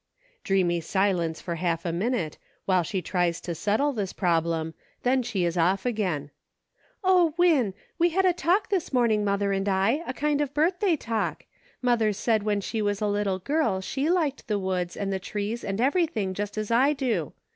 *" Dreamy silence for half a minute, while she tries to settle this problem, then she is off again :" O, Win ! we had a talk this morning, mother and I — a kind of birthday talk. Mother said when she was a little girl she liked the woods, and the trees, and everything, just as I do.